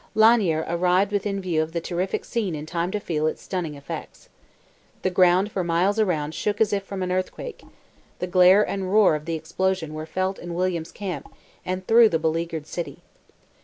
Lanier arrived within view of the terrific scene in time to feel its stunning effects. The ground for miles round shook as from an earthquake; the glare and roar of the explosion were felt in William's camp, and through the beleaguered city.